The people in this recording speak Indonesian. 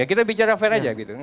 ya kita bicara fair aja gitu